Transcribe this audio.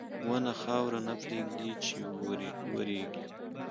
• ونه خاوره نه پرېږدي چې وریږي.